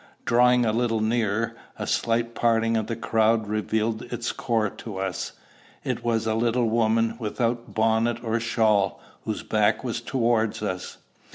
Drawing a little nearer, a slight parting of the crowd revealed its core to us. It was a little woman, without bonnet or shawl, whose back was towards us.